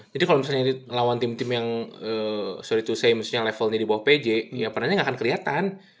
jadi kalau misalnya lawan tim tim yang sorry to say levelnya di bawah p j ya perannya gak akan kelihatan